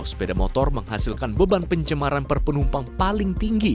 sepeda motor menghasilkan beban pencemaran per penumpang paling tinggi